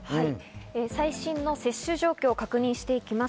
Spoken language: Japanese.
最新の接種状況を確認していきます。